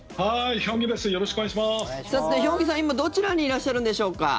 ヒョンギさん、今どちらにいらっしゃるんでしょうか。